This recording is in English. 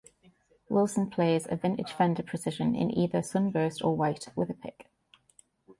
Wilson plays a vintage Fender Precision, in either sunburst or white, with a pick.